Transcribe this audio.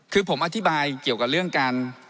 คือผมอธิบายเกี่ยวกับเรื่องการ